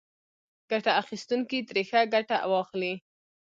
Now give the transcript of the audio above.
ګټه اخیستونکي ترې ښه ګټه واخلي.